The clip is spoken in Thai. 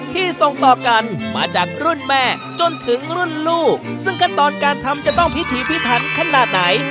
ส่งต่อกันมาจากรุ่นแม่จนถึงรุ่นลูกซึ่งขั้นตอนการทำจะต้องพิถีพิถันขนาดไหน